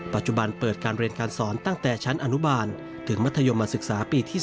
ปัจจุบันเปิดการเรียนการสอนตั้งแต่ชั้นอนุบาลถึงมัธยมศึกษาปีที่๓